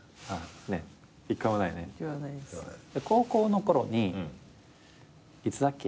高校のころにいつだっけ？